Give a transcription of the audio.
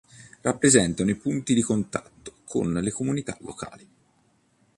Rappresentano i punti di contatto con le comunità locali.